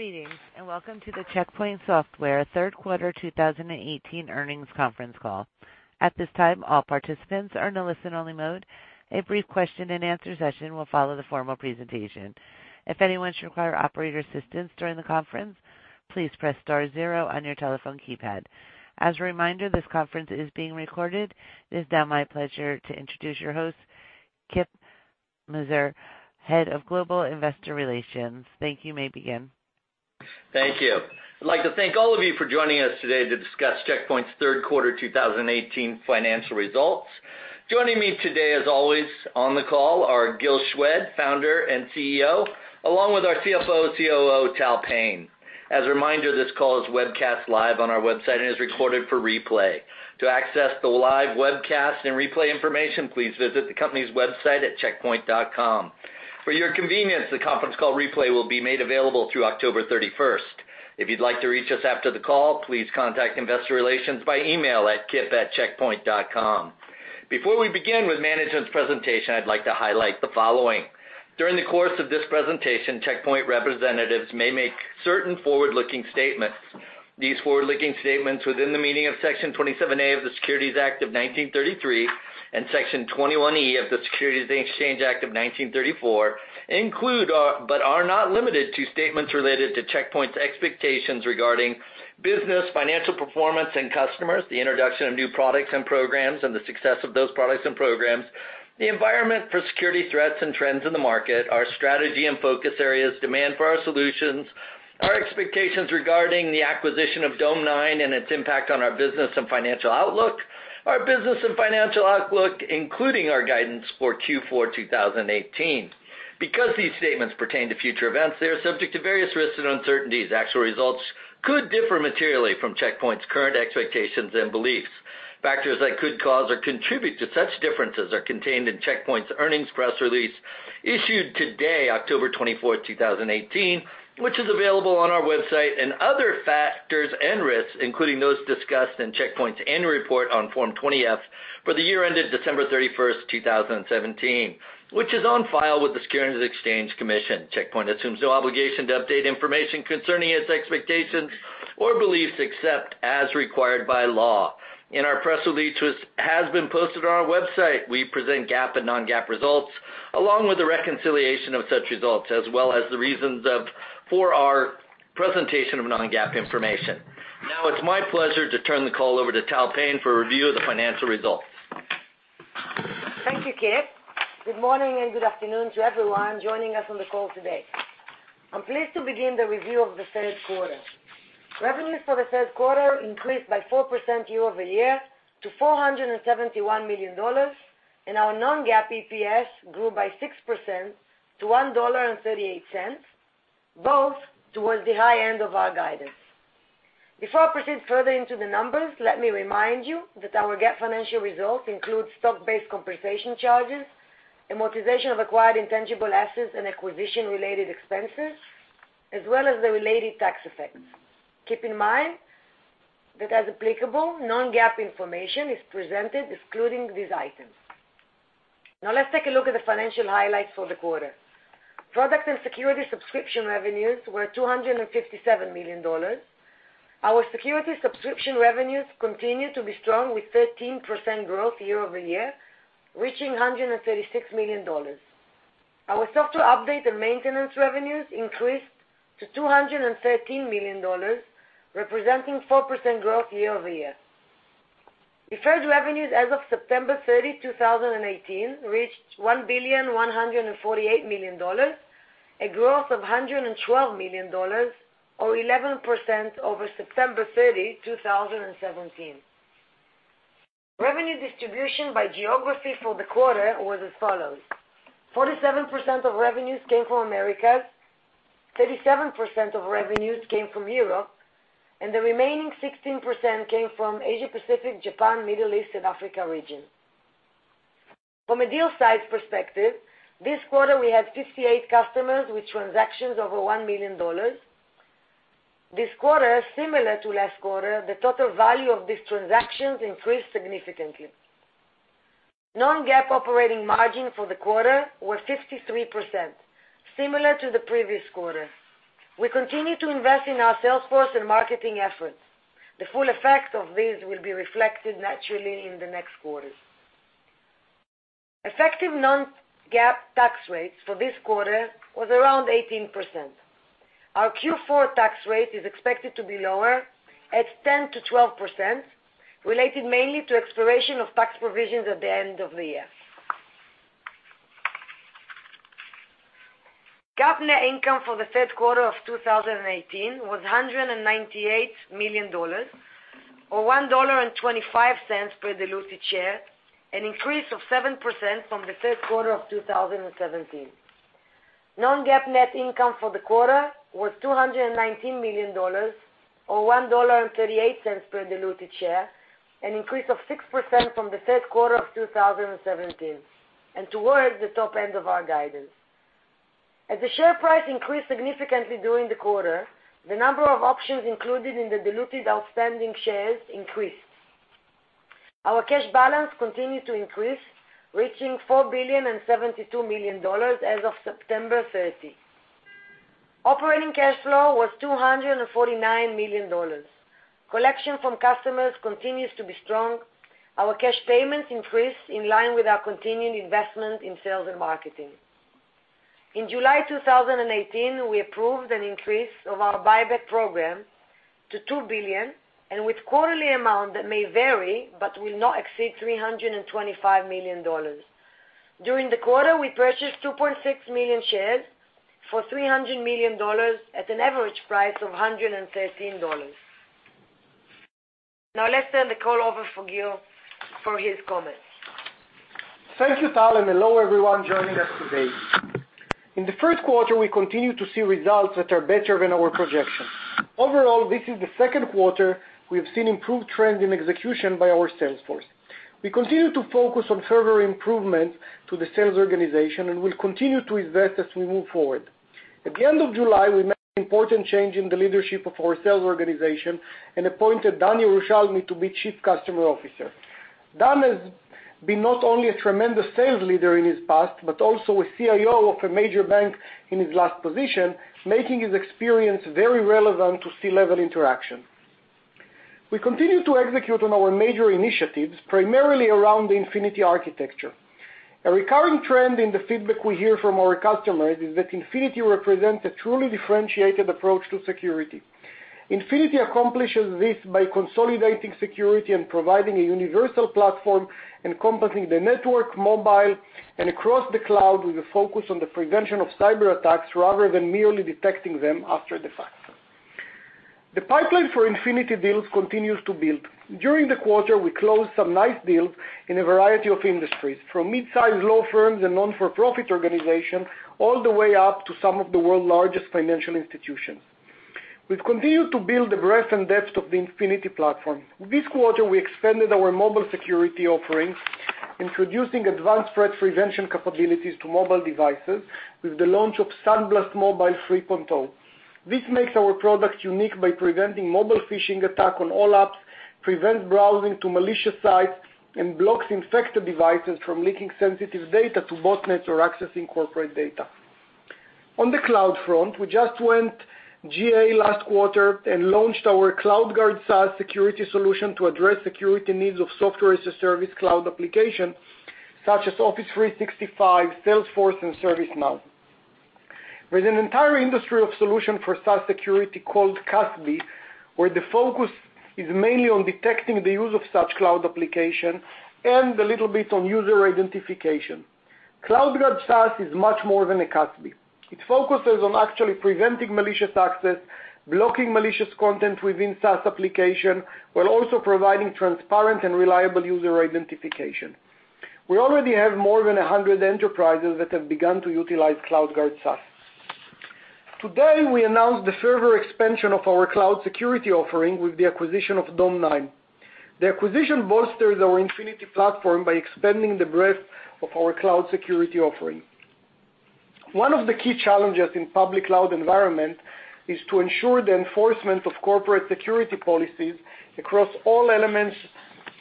Greetings, welcome to the Check Point Software third quarter 2018 earnings conference call. At this time, all participants are in a listen-only mode. A brief question and answer session will follow the formal presentation. If anyone should require operator assistance during the conference, please press star zero on your telephone keypad. As a reminder, this conference is being recorded. It is now my pleasure to introduce your host, Kip Meintzer, Head of Global Investor Relations. Thank you. You may begin. Thank you. I'd like to thank all of you for joining us today to discuss Check Point's third quarter 2018 financial results. Joining me today as always on the call are Gil Shwed, founder and CEO, along with our CFO, COO, Tal Payne. As a reminder, this call is webcast live on our website and is recorded for replay. To access the live webcast and replay information, please visit the company's website at checkpoint.com. For your convenience, the conference call replay will be made available through October 31st. If you'd like to reach us after the call, please contact investor relations by email at kip@checkpoint.com. Before we begin with management's presentation, I'd like to highlight the following. During the course of this presentation, Check Point representatives may make certain forward-looking statements. These forward-looking statements within the meaning of Section 27A of the Securities Act of 1933 and Section 21E of the Securities Exchange Act of 1934 include, but are not limited to, statements related to Check Point's expectations regarding business, financial performance and customers, the introduction of new products and programs, and the success of those products and programs, the environment for security threats and trends in the market, our strategy and focus areas, demand for our solutions, our expectations regarding the acquisition of Dome9 and its impact on our business and financial outlook, our business and financial outlook, including our guidance for Q4 2018. Because these statements pertain to future events, they are subject to various risks and uncertainties. Actual results could differ materially from Check Point's current expectations and beliefs. Factors that could cause or contribute to such differences are contained in Check Point's earnings press release issued today, October 24, 2018, which is available on our website, and other factors and risks, including those discussed in Check Point's annual report on Form 20-F for the year ended December 31, 2017, which is on file with the Securities and Exchange Commission. Check Point assumes no obligation to update information concerning its expectations or beliefs, except as required by law. In our press release, which has been posted on our website, we present GAAP and non-GAAP results, along with the reconciliation of such results, as well as the reasons for our presentation of non-GAAP information. Now it's my pleasure to turn the call over to Tal Payne for a review of the financial results. Thank you, Kip. Good morning and good afternoon to everyone joining us on the call today. I'm pleased to begin the review of the third quarter. Revenues for the third quarter increased by 4% year-over-year to $471 million, and our non-GAAP EPS grew by 6% to $1.38, both towards the high end of our guidance. Before I proceed further into the numbers, let me remind you that our GAAP financial results include stock-based compensation charges, amortization of acquired intangible assets, and acquisition-related expenses, as well as the related tax effects. Keep in mind that as applicable, non-GAAP information is presented excluding these items. Let's take a look at the financial highlights for the quarter. Product and security subscription revenues were $257 million. Our security subscription revenues continue to be strong with 13% growth year-over-year, reaching $136 million. Our software update and maintenance revenues increased to $213 million, representing 4% growth year-over-year. Deferred revenues as of September 30, 2018, reached $1,148 million, a growth of $112 million or 11% over September 30, 2017. Revenue distribution by geography for the quarter was as follows: 47% of revenues came from Americas, 37% of revenues came from Europe, and the remaining 16% came from Asia Pacific, Japan, Middle East, and Africa region. From a deal size perspective, this quarter we had 58 customers with transactions over $1 million. This quarter, similar to last quarter, the total value of these transactions increased significantly. Non-GAAP operating margin for the quarter was 53%, similar to the previous quarter. We continue to invest in our sales force and marketing efforts. The full effect of these will be reflected naturally in the next quarters. Effective non-GAAP tax rates for this quarter was around 18%. Our Q4 tax rate is expected to be lower at 10%-12%, related mainly to expiration of tax provisions at the end of the year. GAAP net income for the third quarter of 2018 was $198 million, or $1.25 per diluted share, an increase of 7% from the third quarter of 2017. Non-GAAP net income for the quarter was $219 million, or $1.38 per diluted share, an increase of 6% from the third quarter of 2017, and towards the top end of our guidance. As the share price increased significantly during the quarter, the number of options included in the diluted outstanding shares increased. Our cash balance continued to increase, reaching $4,072 million as of September 30. Operating cash flow was $249 million. Collection from customers continues to be strong. Our cash payments increased in line with our continued investment in sales and marketing. In July 2018, we approved an increase of our buyback program to $2 billion. With quarterly amount that may vary but will not exceed $325 million. During the quarter, we purchased 2.6 million shares for $300 million at an average price of $113. Let's turn the call over for Gil for his comments. Thank you, Tal, and hello everyone joining us today. In the first quarter, we continued to see results that are better than our projections. Overall, this is the second quarter we've seen improved trend in execution by our sales force. We continue to focus on further improvements to the sales organization and will continue to invest as we move forward. At the end of July, we made an important change in the leadership of our sales organization and appointed Dan Yerushalmi to be Chief Customer Officer. Dan has been not only a tremendous sales leader in his past, but also a CIO of a major bank in his last position, making his experience very relevant to C-level interaction. We continue to execute on our major initiatives, primarily around the Infinity Architecture. A recurring trend in the feedback we hear from our customers is that Infinity represents a truly differentiated approach to security. Infinity accomplishes this by consolidating security and providing a universal platform encompassing the network, mobile, and across the cloud with a focus on the prevention of cyber attacks rather than merely detecting them after the fact. The pipeline for Infinity deals continues to build. During the quarter, we closed some nice deals in a variety of industries, from mid-size law firms and non-profit organizations, all the way up to some of the world's largest financial institutions. We've continued to build the breadth and depth of the Infinity platform. This quarter, we expanded our mobile security offerings, introducing advanced threat prevention capabilities to mobile devices with the launch of SandBlast Mobile 3.0. This makes our product unique by preventing mobile phishing attack on all apps, prevents browsing to malicious sites, and blocks infected devices from leaking sensitive data to botnets or accessing corporate data. On the cloud front, we just went GA last quarter and launched our CloudGuard SaaS security solution to address security needs of Software as a Service cloud application, such as Office 365, Salesforce, and ServiceNow. With an entire industry of solution for SaaS security called CASB, where the focus is mainly on detecting the use of such cloud application and a little bit on user identification. CloudGuard SaaS is much more than a CASB. It focuses on actually preventing malicious access, blocking malicious content within SaaS application, while also providing transparent and reliable user identification. We already have more than 100 enterprises that have begun to utilize CloudGuard SaaS. Today, we announced the further expansion of our cloud security offering with the acquisition of Dome9. The acquisition bolsters our Infinity platform by expanding the breadth of our cloud security offering. One of the key challenges in public cloud environment is to ensure the enforcement of corporate security policies across all elements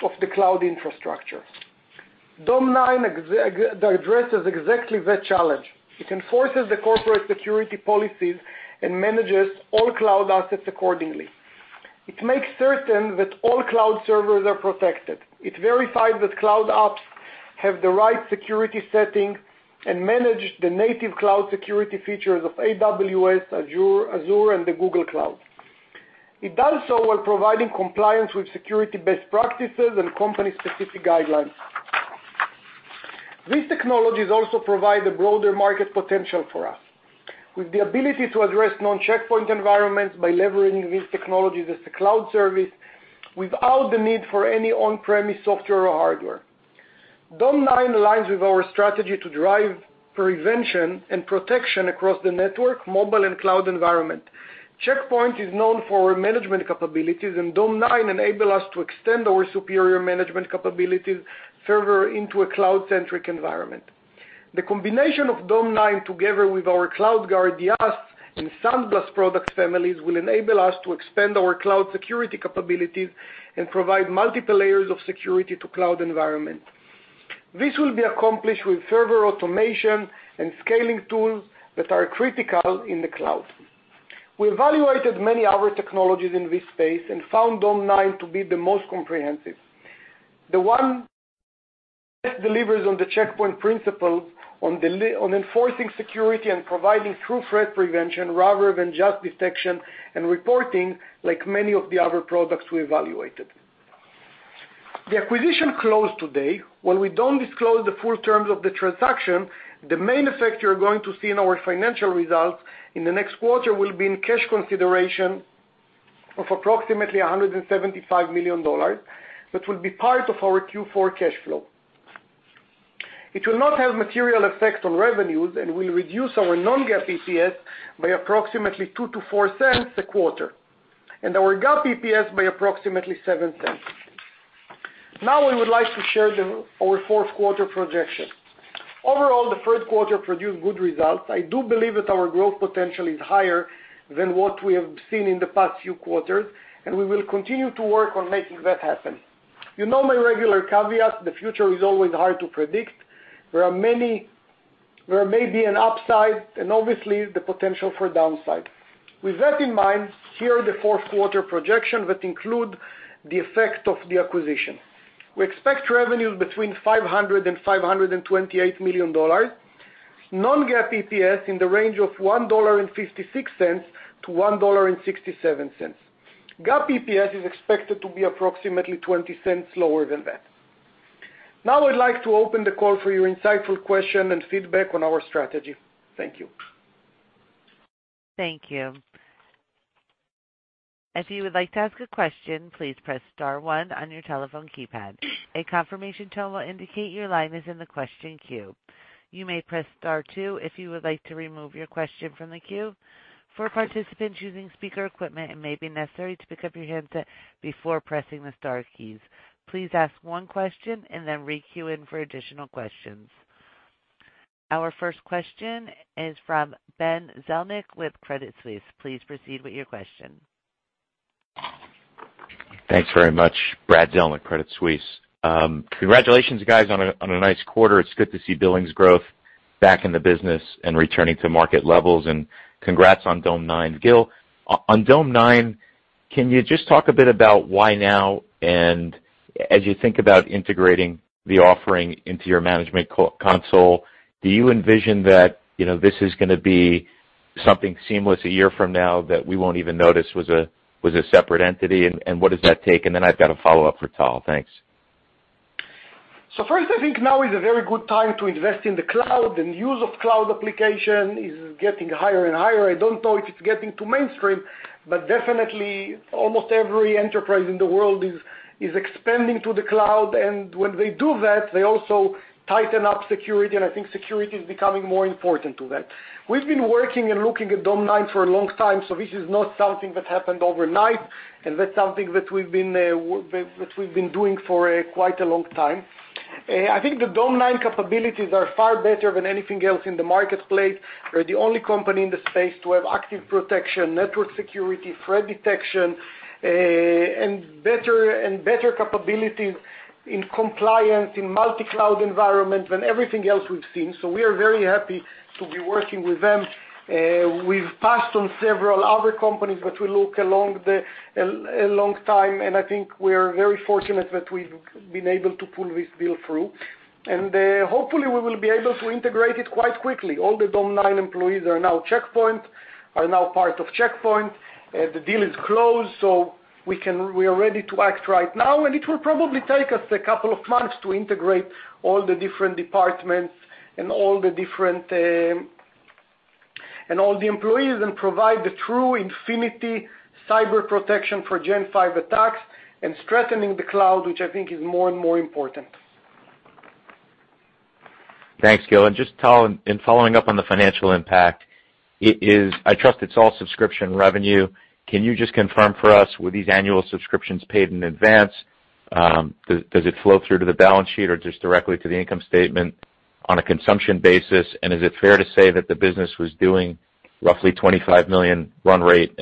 of the cloud infrastructure. Dome9 addresses exactly that challenge. It enforces the corporate security policies and manages all cloud assets accordingly. It makes certain that all cloud servers are protected. It verifies that cloud apps have the right security setting and manage the native cloud security features of AWS, Azure, and the Google Cloud. It does so while providing compliance with security best practices and company-specific guidelines. These technologies also provide a broader market potential for us. With the ability to address non-Check Point environments by leveraging these technologies as a cloud service without the need for any on-premise software or hardware. Dome9 aligns with our strategy to drive prevention and protection across the network, mobile, and cloud environment. Check Point is known for management capabilities, and Dome9 enable us to extend our superior management capabilities further into a cloud-centric environment. The combination of Dome9 together with our CloudGuard SaaS and SandBlast product families will enable us to expand our cloud security capabilities and provide multiple layers of security to cloud environment. This will be accomplished with further automation and scaling tools that are critical in the cloud. We evaluated many other technologies in this space and found Dome9 to be the most comprehensive. The one that delivers on the Check Point principles on enforcing security and providing true threat prevention rather than just detection and reporting, like many of the other products we evaluated. The acquisition closed today. While we don't disclose the full terms of the transaction, the main effect you're going to see in our financial results in the next quarter will be in cash consideration of approximately $175 million, that will be part of our Q4 cash flow. It will not have material effect on revenues and will reduce our non-GAAP EPS by approximately $0.02-$0.04 a quarter, and our GAAP EPS by approximately $0.07. We would like to share our fourth quarter projection. Overall, the third quarter produced good results. I do believe that our growth potential is higher than what we have seen in the past few quarters, and we will continue to work on making that happen. You know my regular caveat, the future is always hard to predict. There may be an upside and obviously the potential for a downside. With that in mind, here are the fourth quarter projection that include the effect of the acquisition. We expect revenues between $500 million and $528 million. Non-GAAP EPS in the range of $1.56 to $1.67. GAAP EPS is expected to be approximately $0.20 lower than that. I'd like to open the call for your insightful question and feedback on our strategy. Thank you. Thank you. If you would like to ask a question, please press star one on your telephone keypad. A confirmation tone will indicate your line is in the question queue. You may press star two if you would like to remove your question from the queue. For participants using speaker equipment, it may be necessary to pick up your handset before pressing the star keys. Please ask one question and then re-queue in for additional questions. Our first question is from Brad Zelnick with Credit Suisse. Please proceed with your question. Thanks very much, Brad Zelnick, Credit Suisse. Congratulations, guys, on a nice quarter. It's good to see billings growth back in the business and returning to market levels, and congrats on Dome9. Gil, on Dome9, can you just talk a bit about why now and as you think about integrating the offering into your management console, do you envision that this is going to be something seamless a year from now that we won't even notice was a separate entity, and what does that take? Then I've got a follow-up for Tal. Thanks. First, I think now is a very good time to invest in the cloud, use of cloud application is getting higher and higher. I don't know if it's getting to mainstream, definitely almost every enterprise in the world is expanding to the cloud, when they do that, they also tighten up security, I think security is becoming more important to them. We've been working and looking at Dome9 for a long time, this is not something that happened overnight, that's something that we've been doing for quite a long time. I think the Dome9 capabilities are far better than anything else in the marketplace. We're the only company in the space to have active protection, network security, threat detection, and better capabilities in compliance in multi-cloud environment than everything else we've seen. We are very happy to be working with them. We've passed on several other companies that we look a long time, I think we're very fortunate that we've been able to pull this deal through. Hopefully we will be able to integrate it quite quickly. All the Dome9 employees are now part of Check Point. The deal is closed, we are ready to act right now, it will probably take us a couple of months to integrate all the different departments and all the employees and provide the true Infinity cyber protection for Gen V attacks and strengthening the cloud, which I think is more and more important. Thanks, Gil. Just, Tal, in following up on the financial impact, I trust it's all subscription revenue. Can you just confirm for us, were these annual subscriptions paid in advance? Does it flow through to the balance sheet or just directly to the income statement on a consumption basis? Is it fair to say that the business was doing roughly $25 million run rate?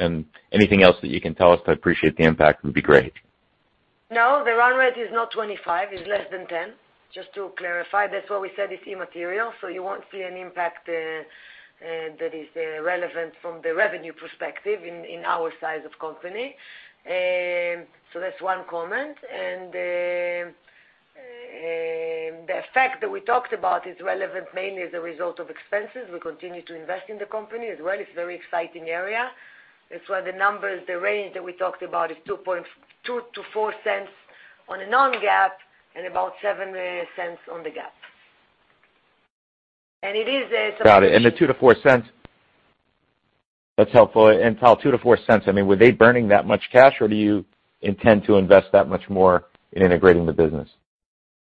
Anything else that you can tell us to appreciate the impact would be great. No, the run rate is not 25, it's less than 10. Just to clarify, that's why we said it's immaterial, so you won't see an impact that is relevant from the revenue perspective in our size of company. That's one comment. The effect that we talked about is relevant mainly as a result of expenses. We continue to invest in the company as well. It's a very exciting area. That's why the numbers, the range that we talked about is $0.02-$0.04 on a non-GAAP and about $0.07 on the GAAP. Got it. The $0.02-$0.04, that's helpful. Tal, $0.02-$0.04, I mean, were they burning that much cash, or do you intend to invest that much more in integrating the business?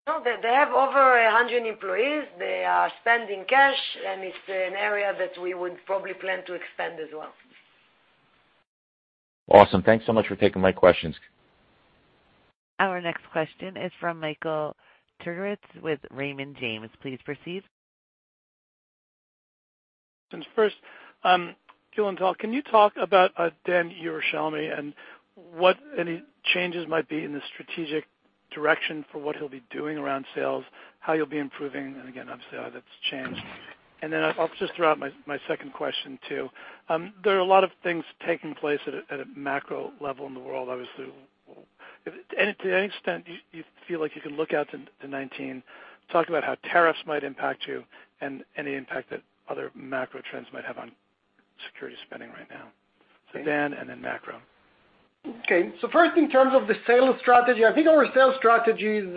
No, they have over 100 employees. They are spending cash, and it's an area that we would probably plan to expand as well. Awesome. Thanks so much for taking my questions. Our next question is from Michael Turits with Raymond James. Please proceed. First, Gil and Tal, can you talk about Dan Yerushalmi and what any changes might be in the strategic direction for what he'll be doing around sales, how you'll be improving, and again, obviously, how that's changed. Then I'll just throw out my second question, too. There are a lot of things taking place at a macro level in the world, obviously. To any extent, you feel like you can look out to 2019, talk about how tariffs might impact you and any impact that other macro trends might have on security spending right now. Dan, and then macro. Okay. First, in terms of the sales strategy, I think our sales strategy is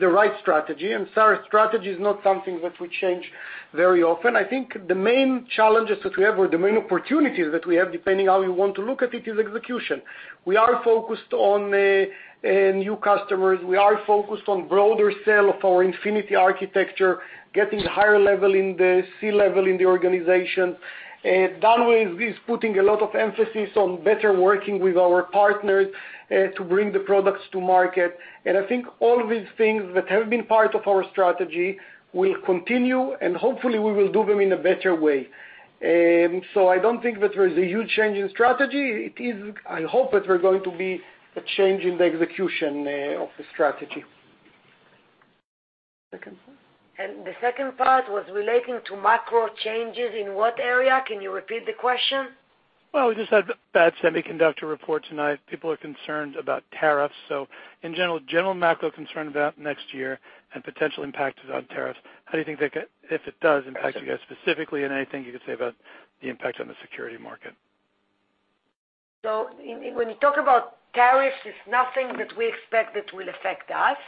the right strategy, and our strategy is not something that we change very often. I think the main challenges that we have, or the main opportunities that we have, depending how you want to look at it, is execution. We are focused on new customers. We are focused on broader sale of our Infinity Architecture, getting higher level in the C-level in the organization. Dan is putting a lot of emphasis on better working with our partners to bring the products to market. I think all these things that have been part of our strategy will continue, and hopefully, we will do them in a better way. I don't think that there is a huge change in strategy. I hope that there's going to be a change in the execution of the strategy. Second part? The second part was relating to macro changes. In what area? Can you repeat the question? We just had bad semiconductor report tonight. People are concerned about tariffs. In general macro concern about next year and potential impact on tariffs. How do you think that, if it does impact you guys specifically, and anything you could say about the impact on the security market? When you talk about tariffs, it's nothing that we expect that will affect us.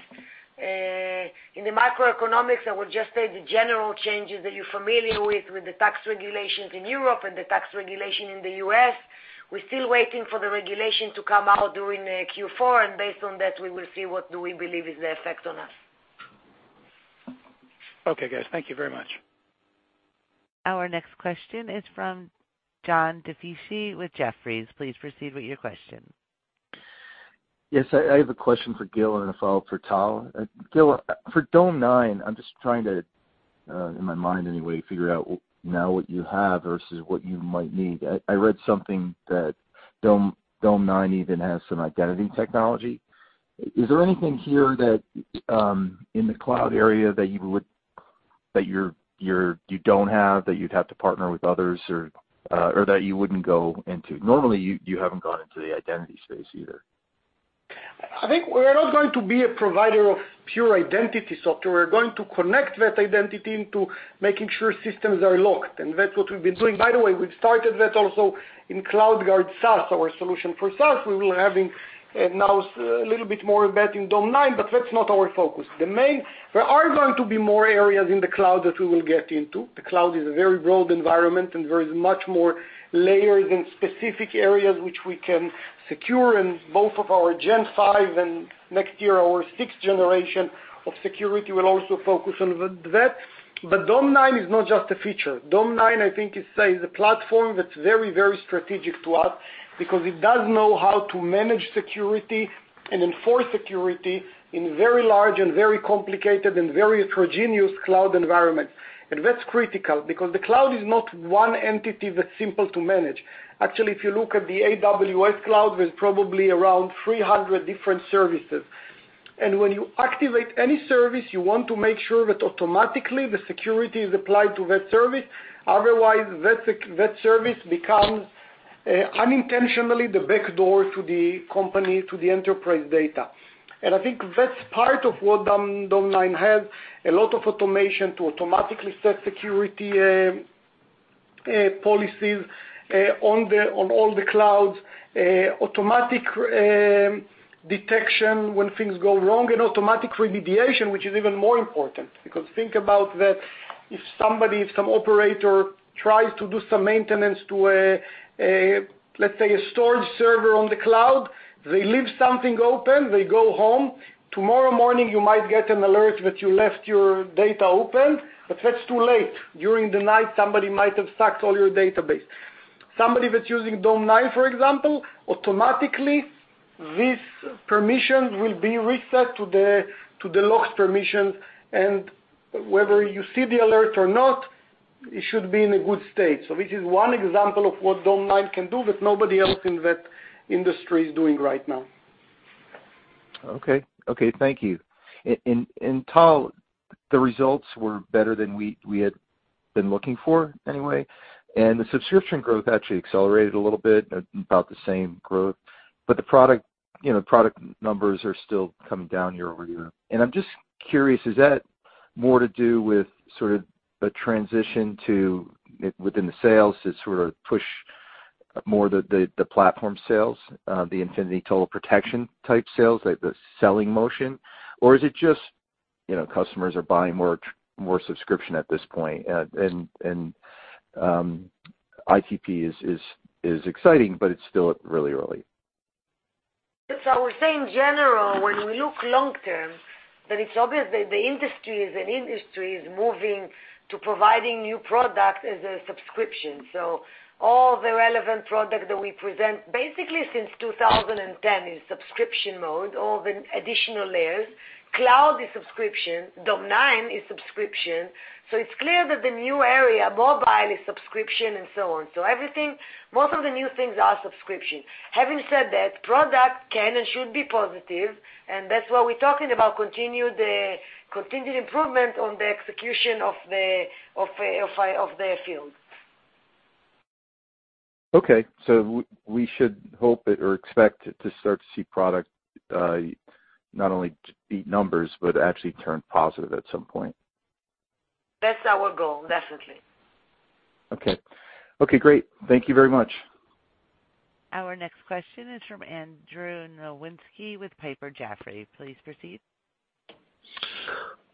In the macroeconomics, I would just say the general changes that you're familiar with the tax regulations in Europe and the tax regulation in the U.S., we're still waiting for the regulation to come out during Q4. Based on that, we will see what do we believe is the effect on us. Okay, guys. Thank you very much. Our next question is from John DiFucci with Jefferies. Please proceed with your question. Yes. I have a question for Gil and a follow-up for Tal. Gil, for Dome9, I'm just trying to, in my mind anyway, figure out now what you have versus what you might need. I read something that Dome9 even has some identity technology. Is there anything here that, in the cloud area that you don't have, that you'd have to partner with others or that you wouldn't go into? Normally, you haven't gone into the identity space either. I think we're not going to be a provider of pure identity software. We're going to connect that identity into making sure systems are locked. That's what we've been doing. By the way, we've started that also in CloudGuard SaaS, our solution for SaaS. We will be having a little bit more of that in Dome9. That's not our focus. There are going to be more areas in the cloud that we will get into. The cloud is a very broad environment, there is much more layers and specific areas which we can secure in both of our Gen V and next year, our sixth generation of security will also focus on that. Dome9 is not just a feature. Dome9, I think is a platform that's very strategic to us because it does know how to manage security and enforce security in very large and very complicated and very heterogeneous cloud environments. That's critical because the cloud is not one entity that's simple to manage. Actually, if you look at the AWS cloud, there's probably around 300 different services. When you activate any service, you want to make sure that automatically the security is applied to that service. Otherwise, that service becomes unintentionally the backdoor to the company, to the enterprise data. I think that's part of what Dome9 has, a lot of automation to automatically set security policies on all the clouds, automatic detection when things go wrong, and automatic remediation, which is even more important. Think about that, if some operator tries to do some maintenance to, let's say, a storage server on the cloud, they leave something open, they go home. Tomorrow morning, you might get an alert that you left your data open, but that's too late. During the night, somebody might have sucked all your database. Somebody that's using Dome9, for example, automatically, these permissions will be reset to the locked permissions. Whether you see the alert or not, it should be in a good state. This is one example of what Dome9 can do that nobody else in that industry is doing right now. Okay. Thank you. Tal, the results were better than we had been looking for anyway. The subscription growth actually accelerated a little bit, about the same growth. The product numbers are still coming down year-over-year. I'm just curious, is that more to do with sort of a transition to, within the sales to sort of push more the platform sales, the Infinity Total Protection type sales, like the selling motion? Is it just customers are buying more subscription at this point, and ITP is exciting, but it's still really early? That's our saying, general, when you look long term, it's obvious that the industry is an industry is moving to providing new product as a subscription. All the relevant product that we present, basically since 2010, is subscription mode, all the additional layers. Cloud is subscription. Dome9 is subscription. It's clear that the new area, mobile, is subscription and so on. Most of the new things are subscription. Having said that, product can and should be positive, that's why we're talking about continued improvement on the execution of the field. Okay. We should hope or expect to start to see product, not only beat numbers, but actually turn positive at some point. That's our goal, definitely. Okay. Great. Thank you very much. Our next question is from Andrew Nowinski with Piper Jaffray. Please proceed.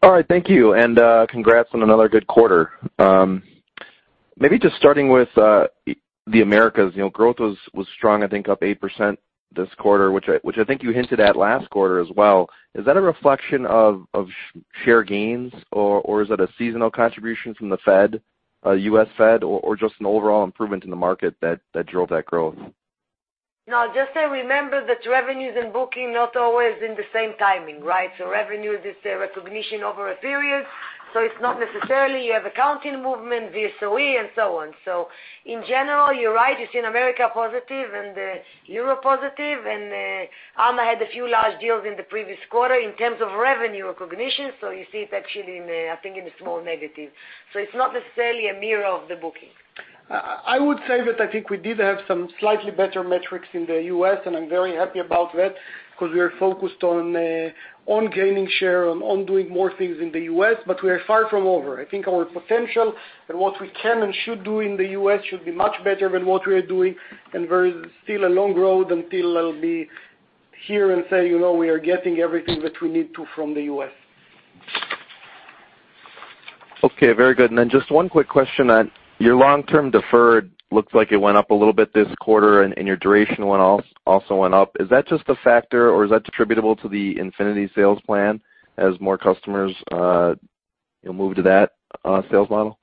All right. Thank you, and congrats on another good quarter. Maybe just starting with the Americas. Growth was strong, I think up 8% this quarter, which I think you hinted at last quarter as well. Is that a reflection of share gains, or is that a seasonal contribution from the Fed, U.S. Fed, or just an overall improvement in the market that drove that growth? Remember that revenues and bookings are not always in the same timing, right? Revenues are a recognition over a period, it's not necessarily you have accounting movement, VSOE, and so on. In general, you're right. You see in the America, positive, and Europe positive, EMEA had a few large deals in the previous quarter in terms of revenue recognition, you see it actually in, I think in a small negative. It's not necessarily a mirror of the bookings. I would say that I think we did have some slightly better metrics in the U.S., and I'm very happy about that because we are focused on gaining share, on doing more things in the U.S., but we are far from over. I think our potential and what we can and should do in the U.S. should be much better than what we are doing, and there is still a long road until I'll be here and say, "We are getting everything that we need to from the U.S. Very good. Just one quick question. Your long-term deferred looks like it went up a little bit this quarter, and your duration also went up. Is that just a factor, or is that attributable to the Infinity sales plan as more customers move to that sales model?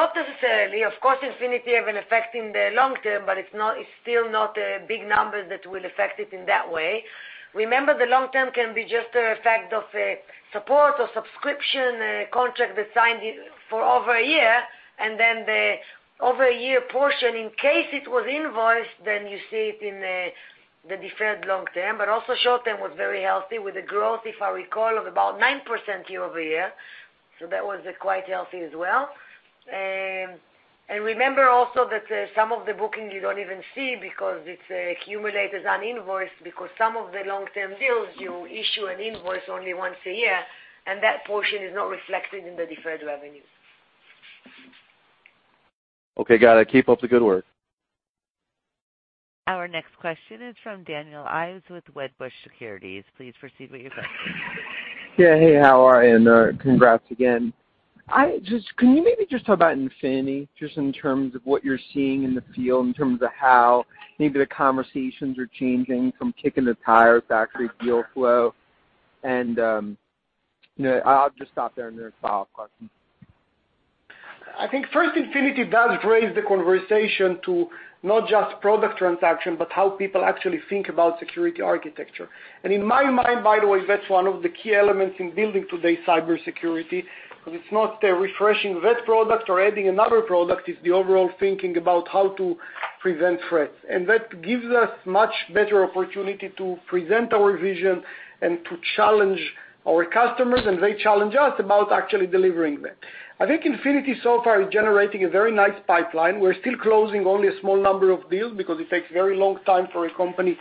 Not necessarily. Of course, Infinity has been affecting the long term, but it's still not a big number that will affect it in that way. Remember, the long term can be just an effect of a support or subscription contract that's signed for over a year, and then the over a year portion, in case it was invoiced, then you see it in the deferred long term. Also short term was very healthy with a growth, if I recall, of about 9% year-over-year. That was quite healthy as well. Remember also that some of the bookings you don't even see because it's accumulated un-invoiced, because some of the long-term deals, you issue an invoice only once a year, and that portion is not reflected in the deferred revenue. Okay, got it. Keep up the good work. Our next question is from Daniel Ives with Wedbush Securities. Please proceed with your question. Yeah. Hey, how are you? Congrats again. Can you maybe just talk about Infinity, just in terms of what you're seeing in the field, in terms of how maybe the conversations are changing from kicking the tires to actually deal flow? I'll just stop there and then a follow-up question. I think first, Infinity does raise the conversation to not just product transaction, but how people actually think about security architecture. In my mind, by the way, that's one of the key elements in building today's cybersecurity, because it's not refreshing that product or adding another product. It's the overall thinking about how to prevent threats. That gives us much better opportunity to present our vision and to challenge our customers, and they challenge us about actually delivering that. I think Infinity so far is generating a very nice pipeline. We're still closing only a small number of deals because it takes a very long time for a company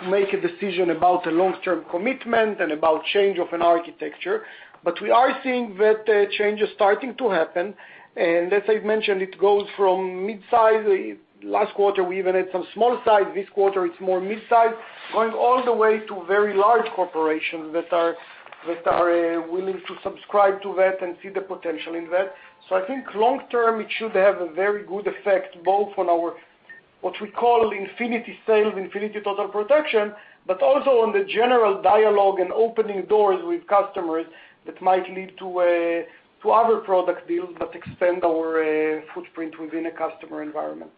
to make a decision about a long-term commitment and about change of an architecture. We are seeing that change is starting to happen, and as I've mentioned, it goes from mid-size. Last quarter, we even had some small size. This quarter, it's more mid-size, going all the way to very large corporations that are willing to subscribe to that and see the potential in that. I think long term, it should have a very good effect, both on our, what we call Infinity sales, Infinity Total Protection, but also on the general dialogue and opening doors with customers that might lead to other product deals that extend our footprint within a customer environment.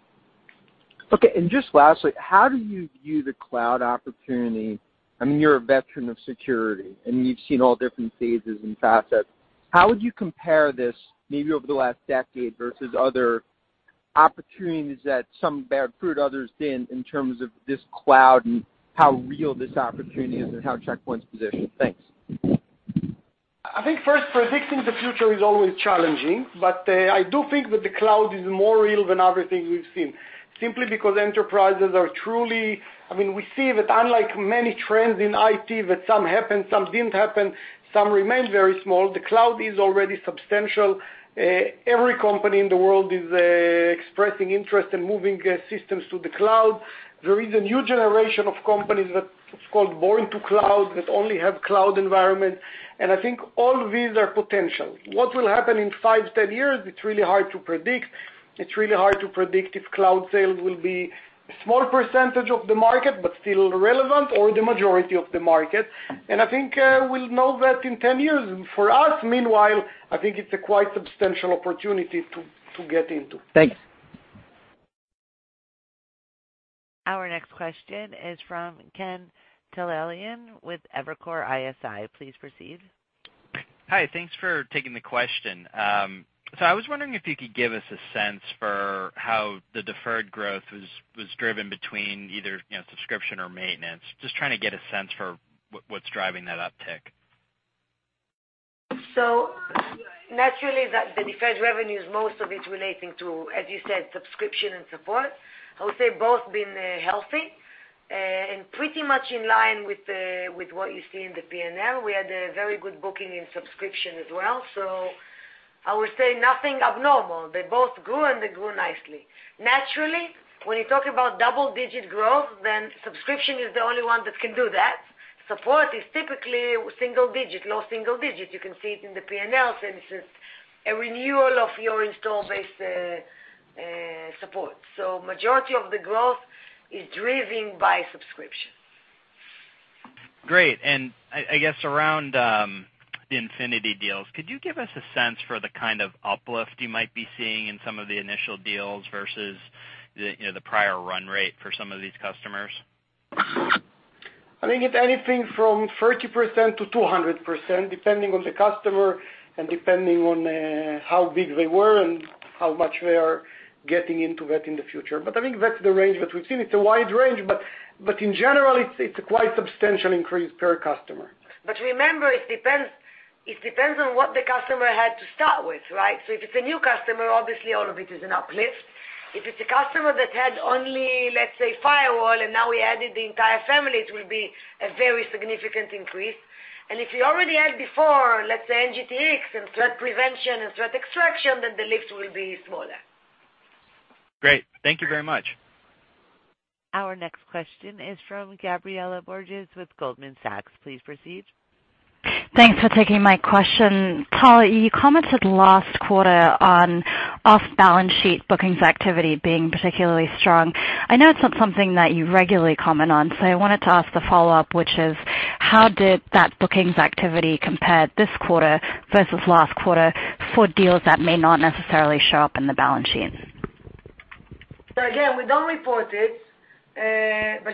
Okay. Just lastly, how do you view the cloud opportunity? You're a veteran of security, and you've seen all different phases and facets. How would you compare this maybe over the last decade versus other opportunities that some bore fruit, others didn't, in terms of this cloud and how real this opportunity is and how Check Point's positioned? Thanks. I think first, predicting the future is always challenging, but I do think that the cloud is more real than other things we've seen, simply because enterprises are. We see that unlike many trends in IT, that some happened, some didn't happen, some remained very small. The cloud is already substantial. Every company in the world is expressing interest in moving systems to the cloud. There is a new generation of companies that's called born in the cloud, that only have cloud environments, and I think all these are potential. What will happen in 5, 10 years, it's really hard to predict. It's really hard to predict if cloud sales will be a small percentage of the market, but still relevant, or the majority of the market. I think we'll know that in 10 years. For us, meanwhile, I think it's a quite substantial opportunity to get into. Thanks. Our next question is from Ken Talanian with Evercore ISI. Please proceed. Hi, thanks for taking the question. I was wondering if you could give us a sense for how the deferred growth was driven between either subscription or maintenance. Just trying to get a sense for what's driving that uptick. Naturally, the deferred revenue, most of it's relating to, as you said, subscription and support. I would say both been healthy and pretty much in line with what you see in the P&L. We had a very good booking in subscription as well. I would say nothing abnormal. They both grew, and they grew nicely. Naturally, when you talk about double-digit growth, subscription is the only one that can do that. Support is typically single digit, low single digit. You can see it in the P&L, since it's a renewal of your install base support. Majority of the growth is driven by subscription. Great. I guess around the Infinity deals, could you give us a sense for the kind of uplift you might be seeing in some of the initial deals versus the prior run rate for some of these customers? I think it's anything from 30%-200%, depending on the customer and depending on how big they were and how much they are getting into that in the future. I think that's the range that we've seen. It's a wide range, in general, it's a quite substantial increase per customer. Remember, it depends on what the customer had to start with, right? If it's a new customer, obviously all of it is an uplift. If it's a customer that had only, let's say, firewall, and now we added the entire family, it will be a very significant increase. If we already had before, let's say, NGTX and threat prevention and threat extraction, then the lift will be smaller. Great. Thank you very much. Our next question is from Gabriela Borges with Goldman Sachs. Please proceed. Thanks for taking my question. Tal, you commented last quarter on off-balance sheet bookings activity being particularly strong. I know it's not something that you regularly comment on, I wanted to ask the follow-up, which is, how did that bookings activity compare this quarter versus last quarter for deals that may not necessarily show up in the balance sheet? Again, we don't report it.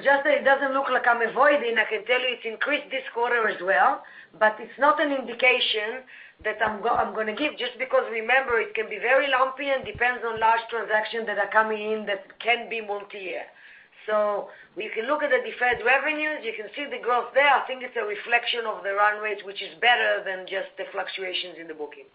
Just so it doesn't look like I'm avoiding, I can tell you it's increased this quarter as well, but it's not an indication that I'm going to give, just because remember, it can be very lumpy and depends on large transactions that are coming in that can be multi-year. If you look at the deferred revenues, you can see the growth there. I think it's a reflection of the run rate, which is better than just the fluctuations in the booking.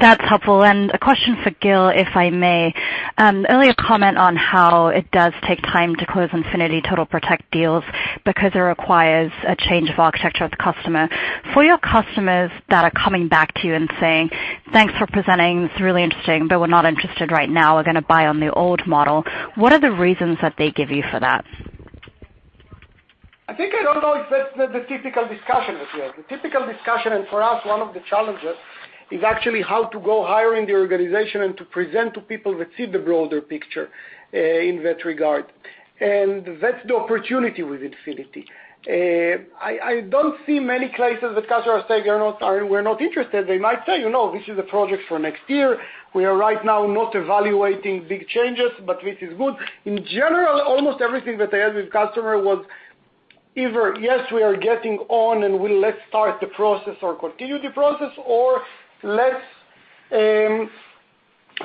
That's helpful. A question for Gil, if I may. Earlier comment on how it does take time to close Infinity Total Protection deals because it requires a change of architecture of the customer. For your customers that are coming back to you and saying, "Thanks for presenting. It's really interesting, but we're not interested right now. We're going to buy on the old model," what are the reasons that they give you for that? I don't know if that's the typical discussion with you. The typical discussion, for us, one of the challenges, is actually how to go higher in the organization and to present to people that see the broader picture in that regard. That's the opportunity with Infinity. I don't see many places that customers say, "We're not interested." They might say, "This is a project for next year. We are right now not evaluating big changes, but this is good." In general, almost everything that I heard with customer was either, yes, we are getting on, let's start the process or continue the process or let's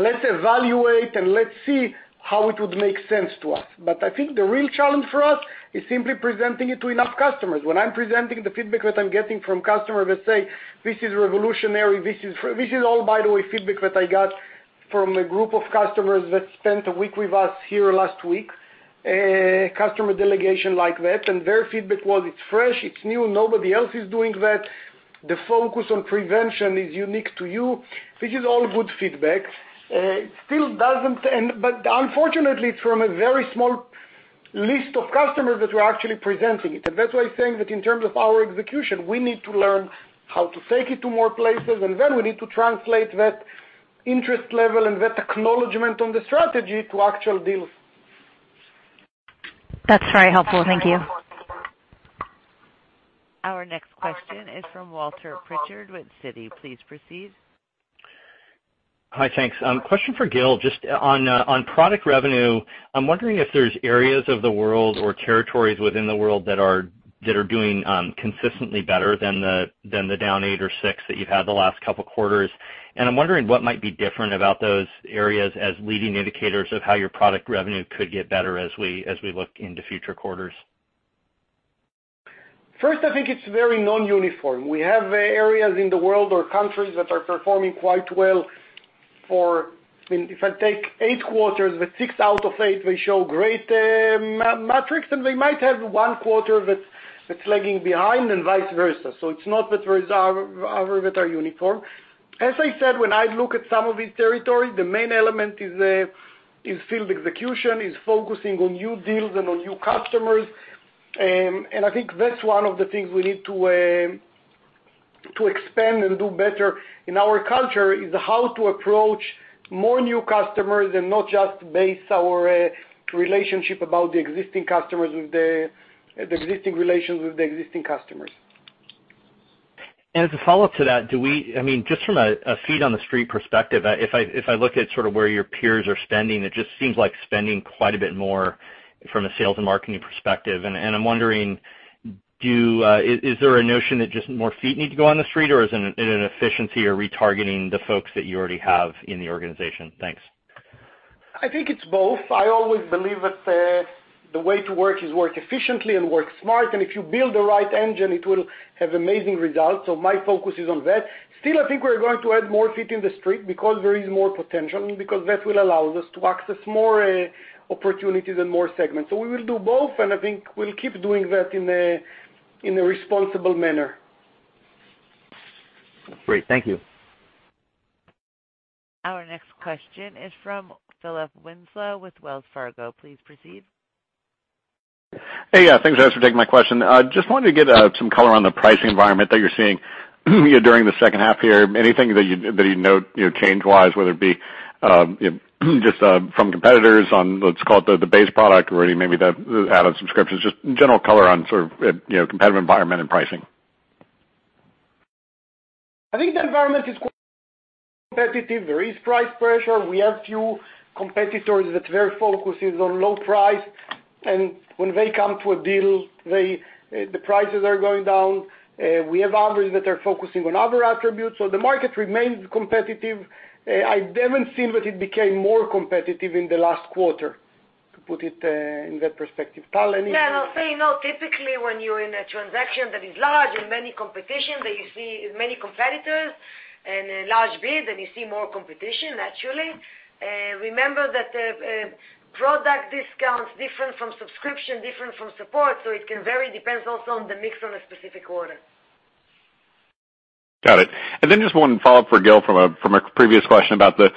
evaluate and let's see how it would make sense to us. I think the real challenge for us is simply presenting it to enough customers. When I'm presenting, the feedback that I'm getting from customers that say, "This is revolutionary." This is all, by the way, feedback that I got from a group of customers that spent a week with us here last week, a customer delegation like that. Their feedback was, "It's fresh, it's new. Nobody else is doing that. The focus on prevention is unique to you." This is all good feedback. Unfortunately, it's from a very small list of customers that we're actually presenting it. That's why I'm saying that in terms of our execution, we need to learn how to take it to more places, then we need to translate that interest level and that acknowledgment on the strategy to actual deals. That's very helpful. Thank you. Our next question is from Walter Pritchard with Citi. Please proceed. Hi, thanks. Question for Gil. Just on product revenue, I'm wondering if there's areas of the world or territories within the world that are doing consistently better than the down eight or six that you've had the last couple of quarters. I'm wondering what might be different about those areas as leading indicators of how your product revenue could get better as we look into future quarters. First, I think it's very non-uniform. We have areas in the world or countries that are performing quite well for, if I take eight quarters, the six out of eight, they show great metrics, and they might have one quarter that's lagging behind and vice versa. It's not that results are uniform. As I said, when I look at some of these territories, the main element is field execution, is focusing on new deals and on new customers. I think that's one of the things we need to expand and do better in our culture, is how to approach more new customers and not just base our relationship about the existing customers with the existing relations with the existing customers. As a follow-up to that, just from a feet on the street perspective, if I look at sort of where your peers are spending, it just seems like spending quite a bit more from a sales and marketing perspective. I'm wondering, is there a notion that just more feet need to go on the street, or is it an efficiency or retargeting the folks that you already have in the organization? Thanks. I think it's both. I always believe that the way to work is work efficiently and work smart, if you build the right engine, it will have amazing results. My focus is on that. Still, I think we're going to add more feet in the street because there is more potential, because that will allow us to access more opportunities and more segments. We will do both, and I think we'll keep doing that in a responsible manner. Great. Thank you. Our next question is from Philip Winslow with Wells Fargo. Please proceed. Hey. Thanks for taking my question. Just wanted to get some color on the pricing environment that you're seeing. During the second half here, anything that you note change-wise, whether it be just from competitors on, let's call it the base product, or maybe the added subscriptions, just general color on competitive environment and pricing. I think the environment is quite competitive. There is price pressure. We have few competitors that their focus is on low price, and when they come to a deal, the prices are going down. We have others that are focusing on other attributes. The market remains competitive. I haven't seen that it became more competitive in the last quarter, to put it in that perspective. Tal, anything? Yeah, no. Typically, when you're in a transaction that is large and many competition, that you see many competitors and a large bid, then you see more competition, naturally. Remember that product discounts different from subscription, different from support, it can vary, depends also on the mix on a specific order. Got it. Then just one follow-up for Gil from a previous question about the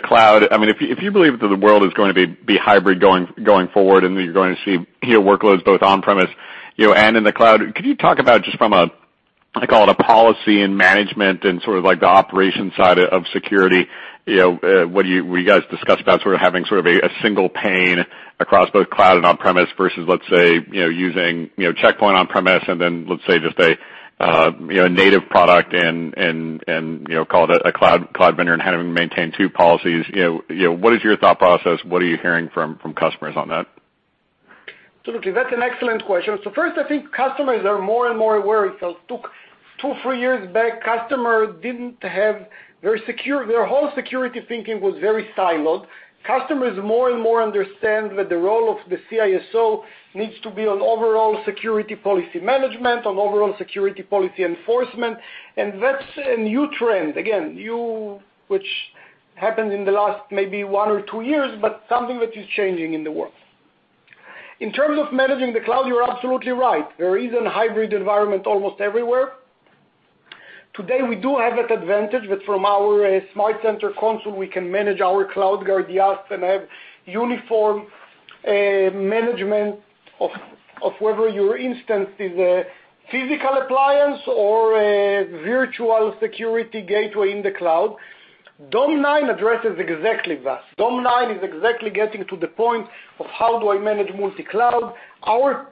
cloud. If you believe that the world is going to be hybrid going forward, and that you're going to see workloads both on-premise and in the cloud, could you talk about just from a, I call it a policy and management, and sort of like the operation side of security, what you guys discussed about sort of having a single pane across both cloud and on-premise versus, let's say, using Check Point on-premise and then, let's say, just a native product and call it a cloud vendor and having to maintain two policies. What is your thought process? What are you hearing from customers on that? Absolutely. That's an excellent question. First, I think customers are more and more aware. Took two, three years back, their whole security thinking was very siloed. Customers more and more understand that the role of the CISO needs to be on overall security policy management, on overall security policy enforcement, and that's a new trend. Again, new, which happened in the last maybe one or two years, but something that is changing in the world. In terms of managing the cloud, you're absolutely right. There is a hybrid environment almost everywhere. Today, we do have that advantage that from our SmartCenter console, we can manage our CloudGuard IaaS and have uniform management of whether your instance is a physical appliance or a virtual security gateway in the cloud. Dome9 addresses exactly that. Dome9 is exactly getting to the point of how do I manage multi-cloud. Our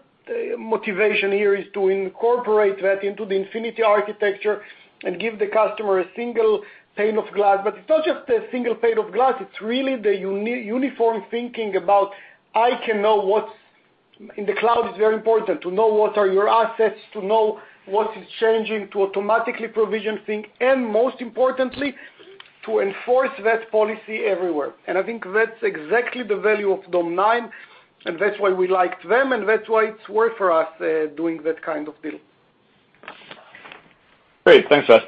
motivation here is to incorporate that into the Infinity Architecture and give the customer a single pane of glass. It's not just a single pane of glass, it's really the uniform thinking about I can know what's in the cloud is very important, to know what are your assets, to know what is changing, to automatically provision thing, and most importantly, to enforce that policy everywhere. I think that's exactly the value of Dome9, and that's why we liked them, and that's why it's worth for us doing that kind of deal. Great. Thanks, guys.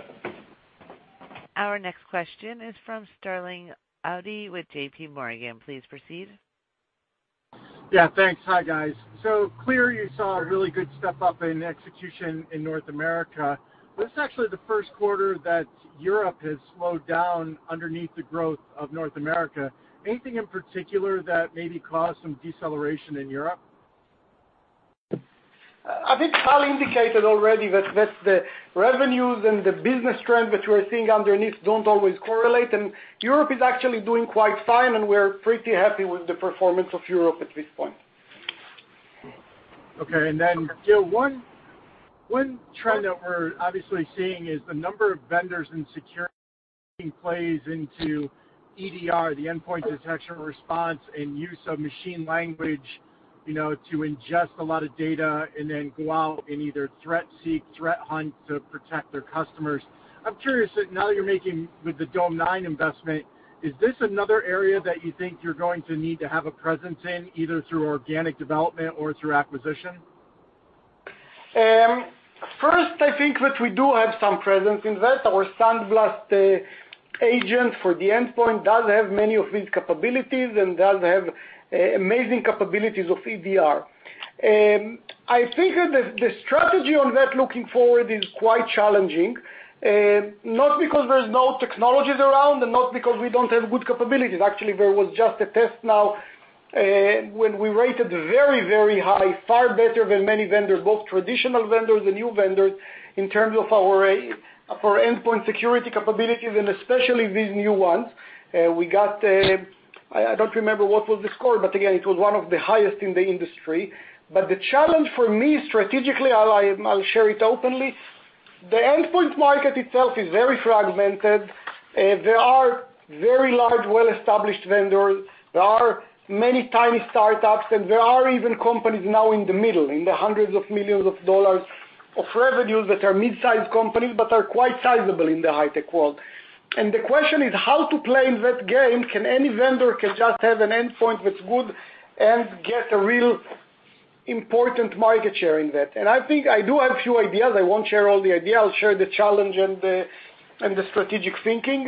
Our next question is from Sterling Auty with J.P. Morgan. Please proceed. Thanks. Hi, guys. Clear you saw a really good step-up in execution in North America, but it's actually the first quarter that Europe has slowed down underneath the growth of North America. Anything in particular that maybe caused some deceleration in Europe? I think Tal indicated already that the revenues and the business trend that we're seeing underneath don't always correlate, and Europe is actually doing quite fine, and we're pretty happy with the performance of Europe at this point. Okay. Gil, one trend that we're obviously seeing is the number of vendors in security plays into EDR, the endpoint detection response, and use of machine language to ingest a lot of data and go out and either threat seek, threat hunt to protect their customers. I'm curious that now you're making with the Dome9 investment, is this another area that you think you're going to need to have a presence in, either through organic development or through acquisition? First, I think that we do have some presence in that. Our SandBlast Agent for the endpoint does have many of these capabilities and does have amazing capabilities of EDR. I think that the strategy on that looking forward is quite challenging, not because there's no technologies around and not because we don't have good capabilities. Actually, there was just a test now, when we rated very, very high, far better than many vendors, both traditional vendors and new vendors, in terms of our endpoint security capabilities, and especially these new ones. We got, I don't remember what was the score, but again, it was one of the highest in the industry. The challenge for me strategically, I'll share it openly, the endpoint market itself is very fragmented. There are very large, well-established vendors. There are many tiny startups, there are even companies now in the middle, in the $hundreds of millions of revenues that are mid-size companies but are quite sizable in the high tech world. The question is how to play in that game. Can any vendor just have an endpoint that's good and get a real important market share in that? I think I do have few ideas. I won't share all the idea. I'll share the challenge and the strategic thinking.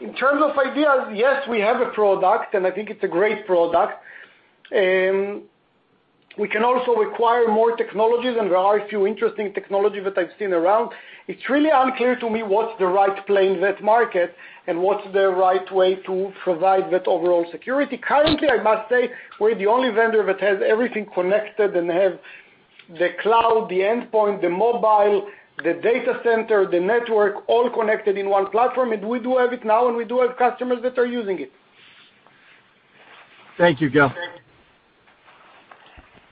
In terms of ideas, yes, we have a product, and I think it's a great product. We can also acquire more technologies, and there are a few interesting technology that I've seen around. It's really unclear to me what's the right play in that market and what's the right way to provide that overall security. Currently, I must say we're the only vendor that has everything connected. The cloud, the endpoint, the mobile, the data center, the network, all connected in one platform. We do have it now, and we do have customers that are using it. Thank you, Gil.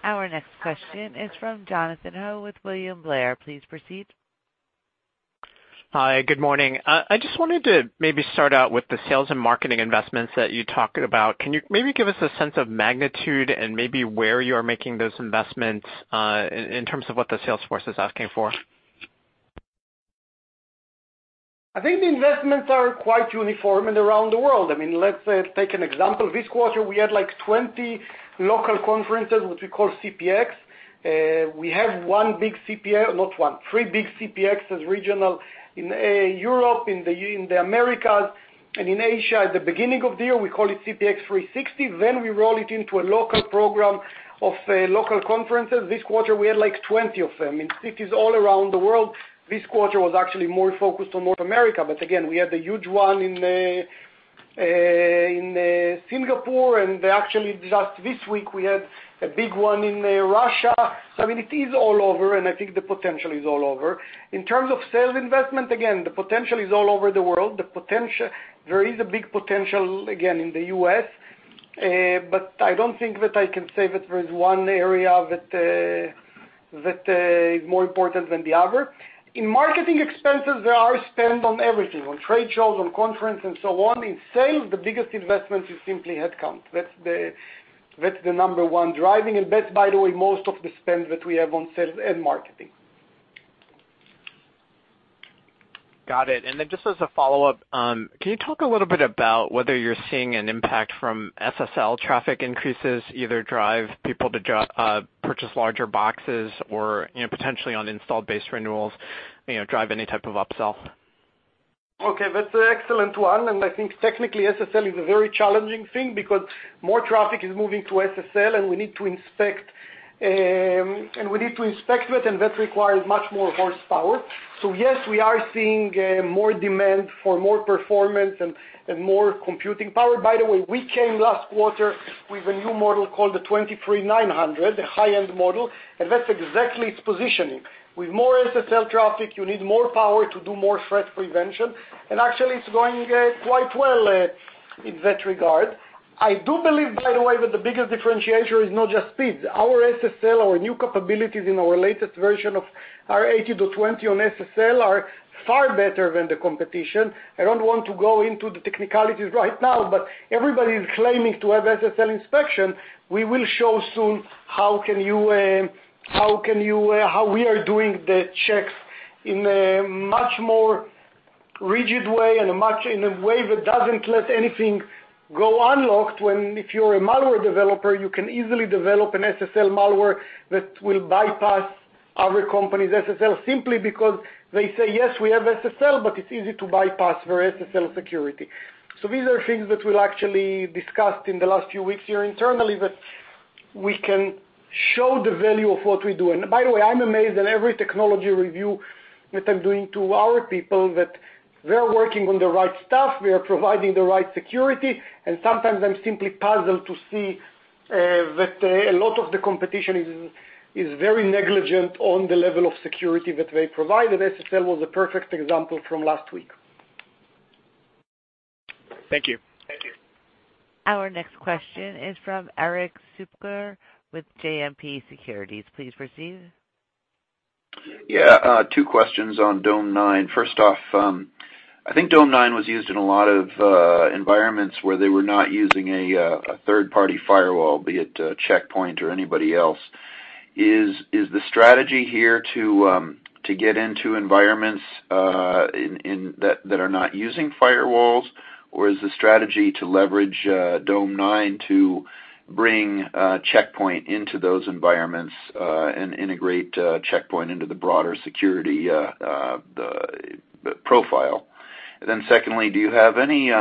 Our next question is from Jonathan Ho with William Blair. Please proceed. Hi. Good morning. I just wanted to maybe start out with the sales and marketing investments that you talked about. Can you maybe give us a sense of magnitude and maybe where you're making those investments, in terms of what the sales force is asking for? I think the investments are quite uniform and around the world. Let's take an example. This quarter, we had 20 local conferences, which we call CPX. We have three big CPXs, regional, in Europe, in the Americas, and in Asia. At the beginning of the year, we call it CPX 360. We roll it into a local program of local conferences. This quarter, we had 20 of them in cities all around the world. This quarter was actually more focused on North America. Again, we had a huge one in Singapore, and actually just this week, we had a big one in Russia. It is all over, and I think the potential is all over. In terms of sales investment, again, the potential is all over the world. There is a big potential, again, in the U.S. I don't think that I can say that there is one area that is more important than the other. In marketing expenses, there are spend on everything, on trade shows, on conference and so on. In sales, the biggest investment is simply headcount. That's the number one driving, and that's, by the way, most of the spend that we have on sales and marketing. Got it. Just as a follow-up, can you talk a little bit about whether you're seeing an impact from SSL traffic increases, either drive people to purchase larger boxes or potentially on installed base renewals, drive any type of upsell? Okay. That's an excellent one. I think technically SSL is a very challenging thing because more traffic is moving to SSL and we need to inspect it, and that requires much more horsepower. Yes, we are seeing more demand for more performance and more computing power. By the way, we came last quarter with a new model called the 23900, a high-end model, and that's exactly its positioning. With more SSL traffic, you need more power to do more threat prevention. Actually, it's going quite well in that regard. I do believe, by the way, that the biggest differentiator is not just speeds. Our SSL, our new capabilities in our latest version of our R80.20 on SSL are far better than the competition. Everybody is claiming to have SSL inspection. We will show soon how we are doing the checks in a much more rigid way and in a way that doesn't let anything go unlocked, when if you're a malware developer, you can easily develop an SSL malware that will bypass other companies' SSL simply because they say, "Yes, we have SSL." It's easy to bypass for SSL security. These are things that we'll actually discussed in the last few weeks here internally, that we can show the value of what we do. By the way, I'm amazed at every technology review that I'm doing to our people, that they're working on the right stuff, we are providing the right security, and sometimes I'm simply puzzled to see that a lot of the competition is very negligent on the level of security that they provide, and SSL was a perfect example from last week. Thank you. Our next question is from Erik Suppiger with JMP Securities. Please proceed. Yeah. Two questions on Dome9. First off, I think Dome9 was used in a lot of environments where they were not using a third-party firewall, be it Check Point or anybody else. Is the strategy here to get into environments that are not using firewalls, or is the strategy to leverage Dome9 to bring Check Point into those environments, and integrate Check Point into the broader security profile? Secondly, do you have any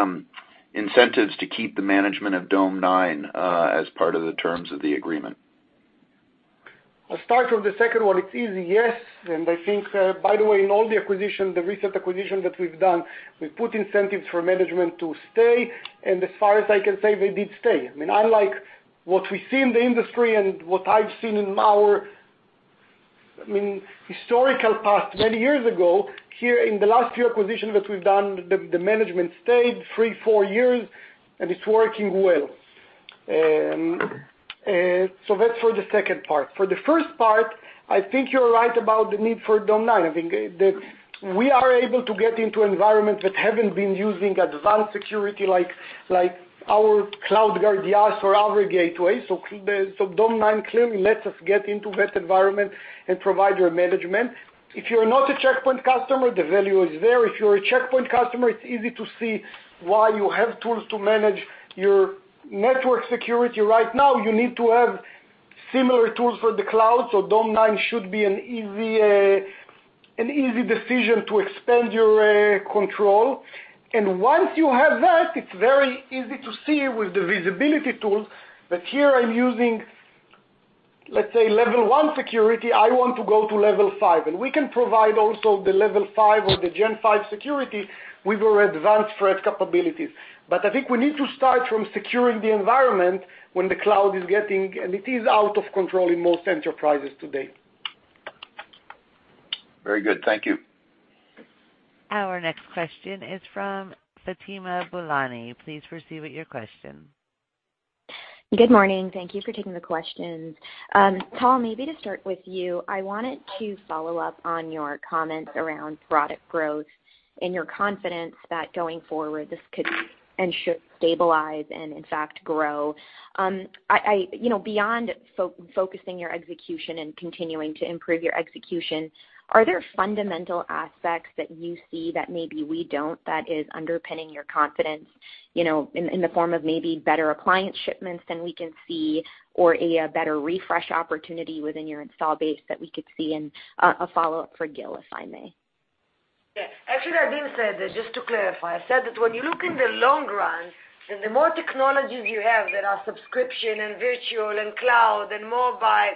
incentives to keep the management of Dome9, as part of the terms of the agreement? I'll start with the second one. It's easy, yes. I think, by the way, in all the recent acquisition that we've done, we've put incentives for management to stay, and as far as I can say, they did stay. Unlike what we see in the industry and what I've seen in our historical past many years ago, here in the last few acquisitions that we've done, the management stayed three, four years, and it's working well. That's for the second part. For the first part, I think you're right about the need for Dome9. I think that we are able to get into environments that haven't been using advanced security like, our CloudGuard IaaS or other gateways. Dome9 clearly lets us get into that environment and provide your management. If you're not a Check Point customer, the value is there. If you're a Check Point customer, it's easy to see why you have tools to manage your network security. Right now, you need to have similar tools for the cloud. Dome9 should be an easy decision to expand your control. Once you have that, it's very easy to see with the visibility tools that here I'm using, let's say, level 1 security, I want to go to level 5. We can provide also the level 5 or the Gen V security with our advanced threat capabilities. I think we need to start from securing the environment when the cloud is getting, and it is out of control in most enterprises today. Very good. Thank you. Our next question is from Fatima Boolani. Please proceed with your question. Good morning. Thank you for taking the questions. Tal, maybe to start with you, I wanted to follow up on your comments around product growth and your confidence that going forward, this could and should stabilize and in fact, grow. Beyond focusing your execution and continuing to improve your execution, are there fundamental aspects that you see that maybe we don't, that is underpinning your confidence, in the form of maybe better appliance shipments than we can see or a better refresh opportunity within your install base that we could see? A follow-up for Gil, if I may. Yeah. Actually, I didn't say that, just to clarify. I said that when you look in the long run, the more technologies you have that are subscription and virtual and cloud and mobile,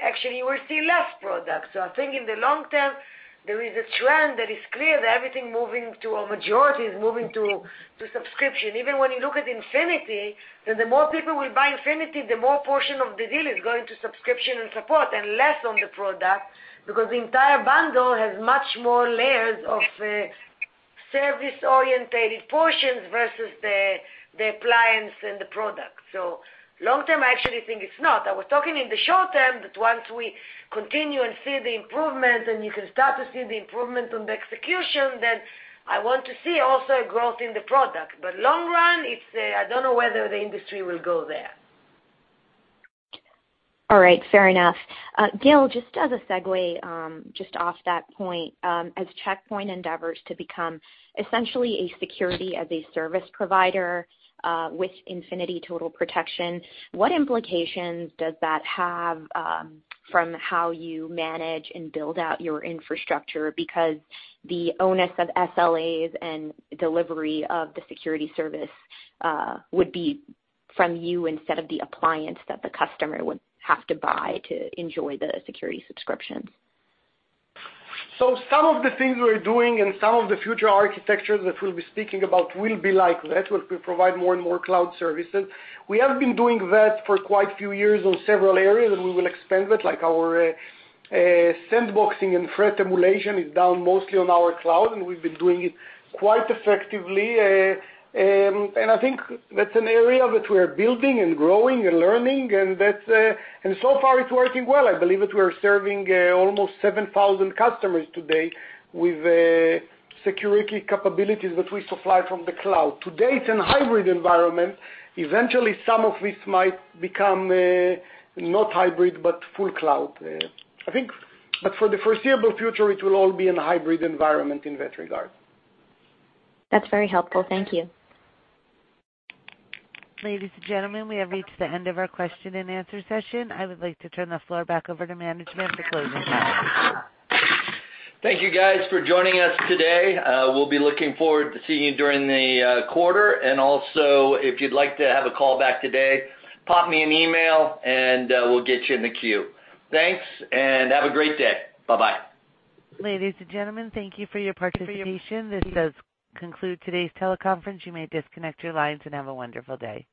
actually you will see less product. I think in the long term, there is a trend that is clear that everything, or majority, is moving to subscription. Even when you look at Infinity, the more people will buy Infinity, the more portion of the deal is going to subscription and support, and less on the product, because the entire bundle has much more layers of service-orientated portions versus the appliance and the product. Long term, I actually think it's not. I was talking in the short term that once we continue and see the improvements and you can start to see the improvement on the execution, I want to see also a growth in the product. Long run, I don't know whether the industry will go there. All right. Fair enough. Gil, just as a segue, just off that point, as Check Point endeavors to become essentially a security-as-a-service provider, with Infinity Total Protection, what implications does that have, from how you manage and build out your infrastructure? Because the onus of SLAs and delivery of the security service would be from you instead of the appliance that the customer would have to buy to enjoy the security subscription. Some of the things we're doing and some of the future architectures that we'll be speaking about will be like that, where we provide more and more cloud services. We have been doing that for quite a few years on several areas, and we will expand that, like our sandboxing and threat emulation is done mostly on our cloud, and we've been doing it quite effectively. I think that's an area that we're building and growing and learning, and so far, it's working well. I believe that we are serving almost 7,000 customers today with security capabilities that we supply from the cloud. Today, it's in hybrid environment. Eventually, some of this might become not hybrid, but full cloud. For the foreseeable future, it will all be in a hybrid environment in that regard. That's very helpful. Thank you. Ladies and gentlemen, we have reached the end of our question and answer session. I would like to turn the floor back over to management for closing comments. Thank you guys for joining us today. We'll be looking forward to seeing you during the quarter. Also, if you'd like to have a call back today, pop me an email and we'll get you in the queue. Thanks, and have a great day. Bye-bye. Ladies and gentlemen, thank you for your participation. This does conclude today's teleconference. You may disconnect your lines and have a wonderful day.